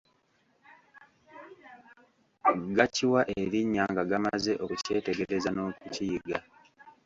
Gakiwa erinnya nga gamaze okukyetegereza n'okukiyiga.